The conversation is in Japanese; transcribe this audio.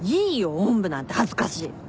おんぶなんて恥ずかしい。